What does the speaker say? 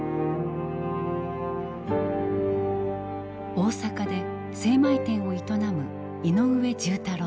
大阪で精米店を営む井上重太郎さん。